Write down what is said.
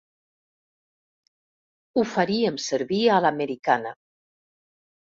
Ho faríem servir a l'americana.